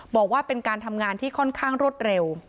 บอกว่าเป็นการทำงานที่ค่อนข้างรวดเร็ว